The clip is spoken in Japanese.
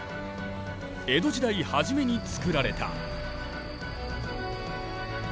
江戸時代初めに造られた。